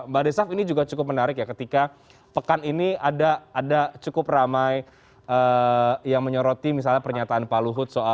mbak desaf ini juga cukup menarik ya ketika pekan ini ada cukup ramai yang menyoroti misalnya pernyataan pak luhut